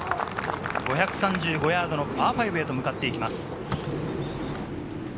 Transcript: ５３５ヤードのパー５へと向かっていきます。